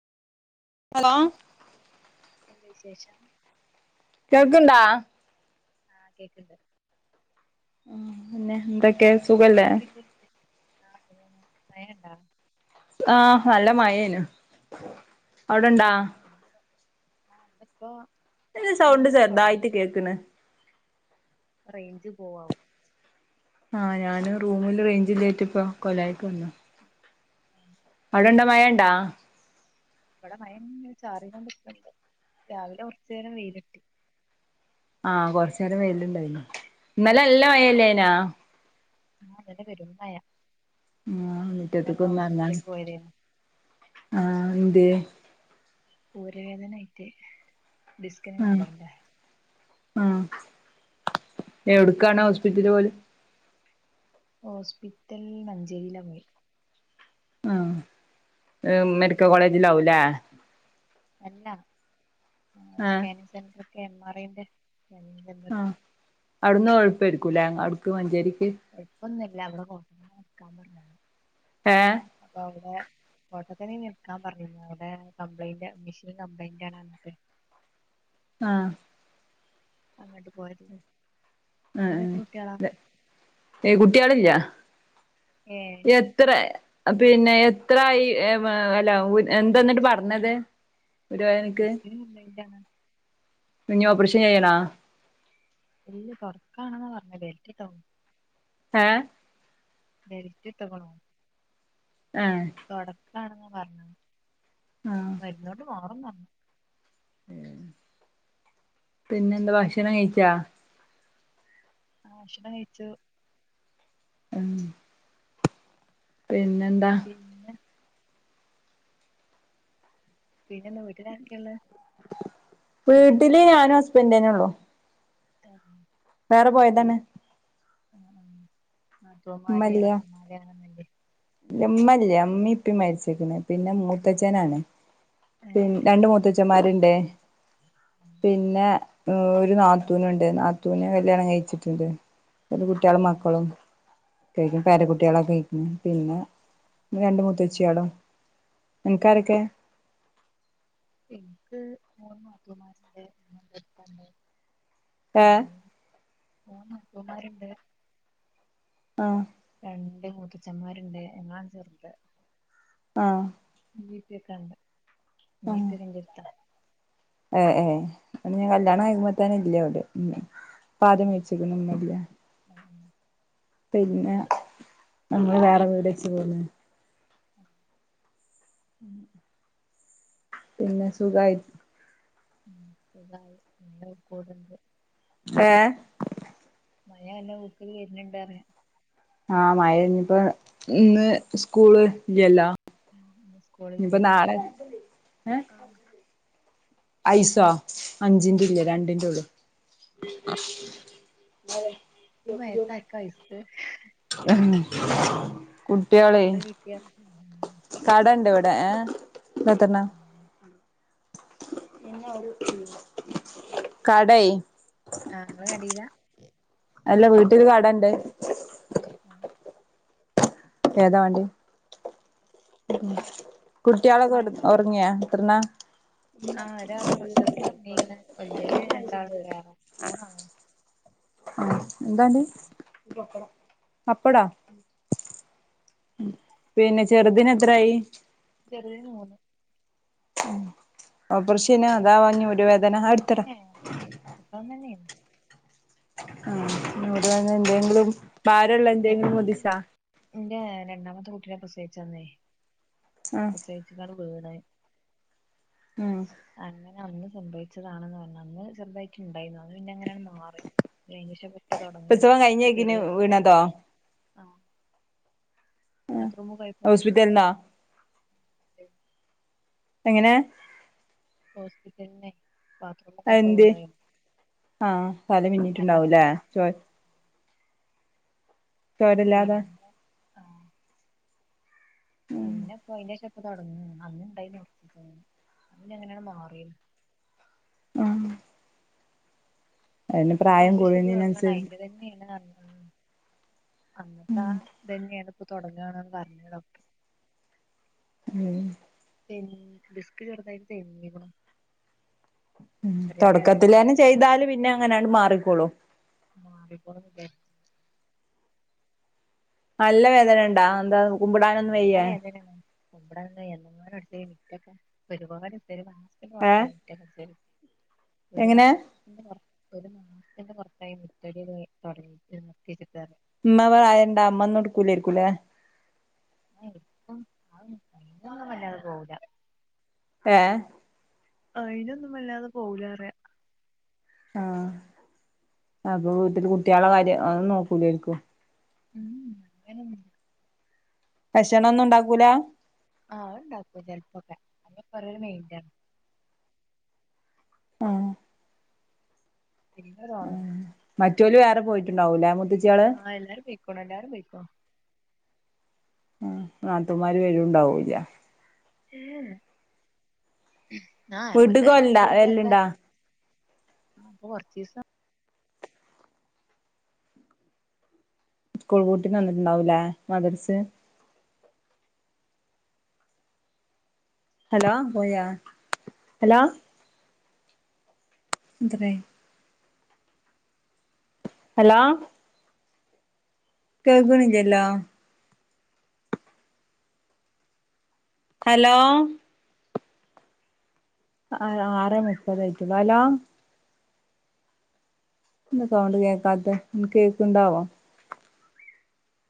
Hello. എന്താ വിഷേശം കേൾക്ണ്ടാ? ആഹ കേക്ണ്ട്. ആ പിന്നെ എന്തൊക്കെ സുഖല്ലേ? ആ സുഖാണ് മയണ്ടേ? ആഹ് നല്ല മഴേനു അവിടെണ്ടാ? ആ ഇവടെ യിപ്പോ ഇല്ല സൗണ്ട് ചെർതായിട്ട് കേക്കണ്. റേഞ്ച് പോവാവും. ആഹ ഞാന് റൂമില് റേഞ്ചില്ലേറ്റ ഇപ്പ കൊല്ലായിക്ക്‌വന്നാ ആ, ഇണ്ട മയണ്ടാ? അവിടെ മയ ചാറിങ്ങോണ്ട്ക്കണ്ട് രാവിലെ കുറച്ചു നേരം വെയിലിട്ടി. ആഹ് കൊറച്ച നേരം വെലണ്ടായിെ ഇന്നലെ എല്ലാം മയല്ലെയ്ന്യാ ആഹ ഇന്നലെ പെരും മയ. ആ വീറ്റത്തക്ക ഒന്നന്ന പോയതേന്നു ആഹ എന്ത്യ ഊരവേദനയിട്ട് ഡിസ്കിന ക്ലമ്പ്ലന്റ അ ഉ എവിടുക്കാണ് ഹോസ്പിറ്റല് പോയി - - ഹോസ്പിറ്റൽ മഞ്ചേരിയിലാ പോയി. ആ മെഡിക്കൽ കോളേജിലാവൂലേ? അല്ലടെ ആഹ് സ്കാനിങ് സെന്റർ ഒക്കെ എം ആർ ഐന്റെ. സ്കാനിങ് സെന്റർ ആഹ അടുന്ന് എളുപ്പായിരിക്കൂല്ലേ അവ്ടുക്ക് മഞ്ചേരി എപ്പൊന്നുമില്ല അവിടെ ഹട്ട നടക്കാൻ പറഞ്ഞില്ല [unintelligible] ഏഹ് അപ്പൊ അവവിടെ കോട്ട ഇന നിൽക്കാൻ പറഞ്ഞന്ന അവിടെ കംപ്ലൈന്റ് മിഷീൻ കംപ്ലയിന്റ് ആണ് എന്നിട്ട്. ആഹ അങ്ങോട്ട് പോയത ആ അ ഏ കുട്ടികളില്ല. ഏ എത്ര പിന്നെ എത്രായി അല്ല എന്താന്നിട്ട് പറഞ്ഞത്. ഊരവേദനക്ക് ഡിസ്കിന് കംബ്ലന്റ് ആണ്. ഇനി ഓപ്പറേഷൻ ചെയ്യണാ? ഇല് തുൊറക്കാണെന്നാ പറഞ്ഞ വലറ്റിട്ടോ ഏ ബൽറ്റ് ട്ട്ക്കണു ആഹ് കാണാന്ന് പറഞ്ഞ് മരുന്നോട്ട് മാറുംന്ന് പറഞ്ഞ് പിന്നെ എന്ത ഭക്ഷണം കഴിച്ചാ ആ ഭക്ഷണം കഴിച്ചു ഉം പിന്നെ പിന്നെ പിന്നെന്താ വീട്ടിലാരൊക്കെ ള്ളേ വീട്ടില് ഞാനും ഹസ്ബൻഡെന്നെ ഉള്ളൂ [inaudible] വേറെ പോയതന്നെ ഉം ആ നാത്തൂന്മാര് ഇളച്ഛന്മാര്‌ അങ്ങനെ ന്നും ല്ലേ ല്ല ഇമ്മല്ല്യ ഇമ്മിം ഇപ്പിം മരിച്ച്ക്ക്ണ് പിന്നെ മൂ ത്തച്ഛനാണ് ഏ പിൻ ഏ രണ്ട് മൂത്തച്ഛന്മാര്ണ്ട് പിന്നെ ഒരു നാത്തൂനുണ്ട് നാത്തൂന് കല്യാണം കഴിച്ചിട്ട്ണ്ട് ഓല് കുട്ട്യാളും മക്കളും പേര കുട്ട്യാളൊക്കെ അയിക്ക്ണ് പിന്നെ രണ്ട് മൂത്തച്ഛിയാളും അൻ ക്ക് ആരൊക്കെ ഇൻക്ക് മൂന്ന് നാത്തൂന്മാര്ണ്ട് മൂത്തച്ഛണ്ട്. ഏ മൂന്ന് നാത്തൂന്മാര്ണ്ട് ആ രണ്ട് മൂത്തച്ഛന്മാര്ണ്ട് ഞങ്ങളാണ് ചെർത് ആ ഇമ്മീം ഇപ്പീംക്കെണ്ട് ഇമ്മീ ഇപ്പെ ക്കെ ഇന്റെ ട്ത്താ എ ഏ ഇങ്ങ്കല്യാണം കഴിക്കുമ്പൊതന്നെ ഇല്ല്യ ഓല് ഉം ഇപ്പാദ്യം മരിച്ച്ക്ക്ണ് ഇമ്മല്ല്യ പിന്നെ നമ്മള് വേറെ വീട് വെച്ച് പോന്ന് ഉം പിന്നെ സുഖായി ഉം എന്തായി മഴ കൂട്ണ്ട് ഏ മഴ നല്ല ഊക്കില് വര്ന്ന്ണ്ട് അറയ ആ മഴ ഇഞ്ഞ്പ്പോ ഇന്ന് സ്കൂള് ഇല്ല്യല്ലോ ഇന്ന് ഇഞ്ഞ്പ്പൊ സ്കൂളില്ല നാളെ ഐസോ അഞ്ചിന്റ്‌ല്ല്യ രണ്ടിന്റെള്ളൂ അ ഒയ് ഈ മഴത്താർക്കാഐസ് കുട്ട്യാള് കടണ്ട് ഇവിടെ കടേയ് ആ ഇങ്ങളെ കടീലാ അല്ല വീട്ടില് കടണ്ട് ഉം ഉ ഏതാ വാണ്ടി കുട്ട്യാളൊക്കെ കെ ഒറങ്ങിയാ എത്രണ്ണാ ആ ഒരാൾ ചെർത് ഒർങ്ങീക്ക്ണ് വല്ല്യത് രണ്ടാള്ണ്ട് വേറെ മൂന്നാളാണ്. ആ പിന്നെ ചെറുതിന് എത്രായി ചെറിയോന് മൂന്ന്. ഓപ്പറേഷം ഏനിയോഅതാവോനി ഊര വേദന, ഏ ഏ ട്ടോ പ്രസവം തന്നേന്നു ആ ഇനി ഊര വേദന, എന്തെങ്കിലും ഭാരമള്ള എന്തെങ്കിലും പൊന്തിച്ചാ. എന്റെ രണ്ടാമത്തെ കുട്ടീനെ പ്രസവിച്ചന്നേ ആ പ്രസവിച്ച്‌ കാണ്ട്‌ വീണ് ഉം അങ്ങനെ അന്ന് സംഭവിച്ചതാണെന്ന് പറഞ്ഞ് അന്ന് ചെറുതായിട്ട് ഉണ്ടായിരുന്നു അത് പിന്നെങ്ങനെ മാ അങ്ങനെയാണ് മാറി അയിന്ശേഷം, ഇപ്പ തുടങ്ങാണ് പ്രസവം ഓക്ക് ത് കഴിഞ്ഞേക്കിന് ഏഴ് വയസ്സായി വീണതോ ബാത്‌റൂമിക്ക് പോയപ്പോ ഹോസ്പിറ്റലിന്നോ എങ്ങനെ ഹോസ്പിറ്റലിന്നെ അതെന്തേ ആ, തല മിന്നിട്ടുണ്ടാവുലെ ചോരല്ലാതെ പിന്നെ ഉം പിന്നെപ്പൊ അയിന്ശേഷം ഇപ്പ തടങ്ങാണ്, അന്ന് ഇണ്ടായിന്ന്, അന്ന് പിന്നെ അങ്ങനെയങ്ങ് മാറിന്നു. ആഹ് അതിന് പ്രായം ഇംഗ്ലീഷ് ഇപ്പൊ തൊടങ്ങ്ണ് കൂടുന്നതിനനുസരിച്ച് ഐന്റെതെന്നേണ് അറ്ഞ്ഞ്ങ്ങാണ്ട്. അന്നത്തെ ഉം ആ ഇതന്നേണ് ഇപ്പൊ തൊടങ്ങാണന്ന് പറ്ഞ്ഞത് ഡോക്ടർ. ഉം ഉം, ഡിസ്ക് ചെറുതായിട്ട് തെന്ഞ്ഞ് ക്കുണു. ഉം, തുടക്കത്തിലെന്നെ ചെയ്താൽ പിന്നെ അങ്ങനാണ്ട് മാറിക്കോളൂ. ആഹ് മാറിക്കോണു ലെ നല്ല വേദന ഉണ്ടാ, എന്താ കുമ്പിടാനൊന്നും വയ്യേ? കുമ്പിഡാനൊന്നും വെയ്യ ഏഹ് [unintelligible] ഒരു എങ്ങനെ മാസത്തിന്റെ ഒരു മാസത്തിന്റെ പുറത്തായി മുറ്റടി തുടങ്ങിട്ട് നിർത്തിയിട്ടിട്ട് ഇമ്മാക്ക് പ്രായണ്ട?. ഇമ്മ ഒന്നുമിടുക്കൂലായിരിക്കുലെ ഇടുക്കും, അത് മുറ്റൊന്നും വല്ലാതെ പോവൂല. ഏഹ് ആ അയ്നൊന്നും വല്ലാതെ പോവൂല പറയാ. ആഹ് അപ്പൊ വീട്ടില് കുട്ട്യേള കാര്യം അതും നോക്കൂലായിരിക്കും ഉം, ഉം അങ്ങനൊന്നുല്ല ഭക്ഷണം ഒന്നും ഉണ്ടാക്കൂല? ആഹ് അഹ് ഇണ്ടാക്കും ചെല്പ്പൊക്കെ, അത് ഇപ്പൊ രോരോ മൈൻഡ് ആണ്. ആഹ് [unintelligible] മറ്റോല് വേറെ പോയിട്ട് ഇണ്ടാവുലെ ആഹ് എല്ലാരും പൊയ്ക്കുണു, എല്ലാരും പൊയ്കുണു. ആ നാത്തൂന്മാർ വരുംണ്ടാവൂലെ? ഹെഗ്‌, വീട്ട്ക്ക് പോവല്ണ്ടാ എപ്പോളെങ്കിലും ഒക്കെ വരല്ണ്ടാ ആഹ് ഇപ്പൊ കൊറ്ച്ചീസം സ്കൂൾപൂട്ടിന് വന്നിട്ടുണ്ടാവൂലേ, മദർസെ? ഹലോ പോയ, ഹലോ ത്രെ ഹലോ കേൾപ്പ്ണില്ലല്ലോ ഹലോ ആ ആറെ മുപ്പതായിട്ടാ ഉള്ളു, ഹലോ എന്താ സൗണ്ട് കേക്കാത്തെ, കേക്ക്ണ്ടോ ആവോ